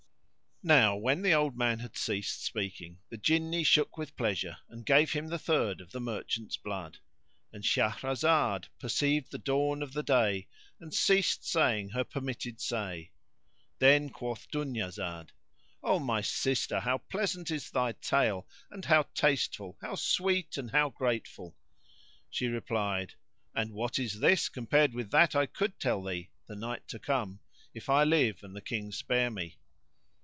Now when the old man had ceased speaking the Jinni shook with pleasure and gave him the third of the merchant's blood. And Shahrazad perceived the dawn of day and ceased saying her permitted say. Then quoth Dunyazad, "O. my sister, how pleasant is thy tale, and how tasteful; how sweet and how grateful!" She replied, "And what is this compared with that I could tell thee, the night to come, if I live and the King spare me?"